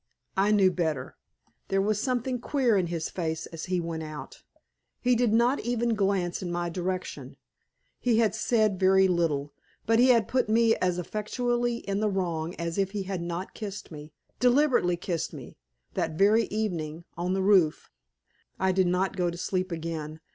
I knew better. There was something queer in his face as he went out. He did not even glance in my direction. He had said very little, but he had put me as effectually in the wrong as if he had not kissed me deliberately kissed me that very evening, on the roof. I did not go to sleep again.